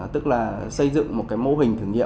tức là xây dựng một cái mô hình thử nghiệm